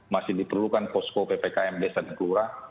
masih diperlukan posko ppkm desa negura